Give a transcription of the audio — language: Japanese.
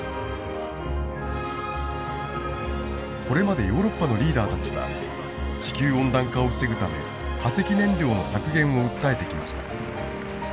これまでヨーロッパのリーダーたちは地球温暖化を防ぐため化石燃料の削減を訴えてきました。